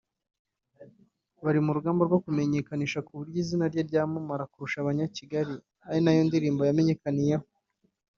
bari mu rugamba rwo kumumenyekanisha ku buryo izina rye ryamamara kurusha “Abanyakigali” ari nayo ndirimbo yamenyekaniyeho